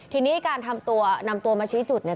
ทีนี้การทำตัวนำตัวมาชี้จุดเนี่ย